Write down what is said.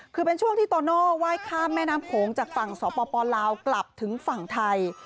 คือเป็นช่วงที่โตโน่ไหว้ข้ามแม่น้ำโขงจากฝั่งสปลาวกลับถึงฝั่งไทย